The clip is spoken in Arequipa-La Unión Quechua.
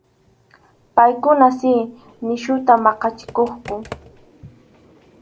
Paykuna si nisyuta maqachikuqku.